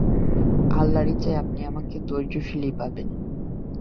আল্লাহর ইচ্ছায় আপনি আমাকে ধৈর্যশীলই পাবেন।